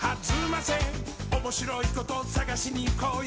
「おもしろいことさがしにいこうよ」